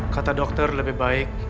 kata dokter lebih baik